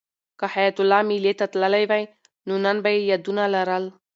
که حیات الله مېلې ته تللی وای نو نن به یې یادونه لرل.